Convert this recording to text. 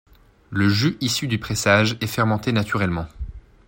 Le jus issu du pressage est fermenté naturellement.